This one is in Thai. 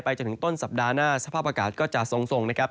จนถึงต้นสัปดาห์หน้าสภาพอากาศก็จะทรงนะครับ